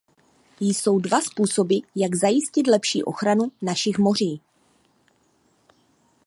Jsou dva způsoby, jak zajistit lepší ochranu našich moří.